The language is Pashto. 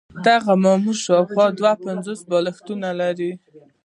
دغه مامور شاوخوا دوه پنځوس بالښتونه لرل.